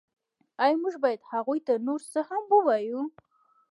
ایا موږ باید هغوی ته نور څه هم ووایو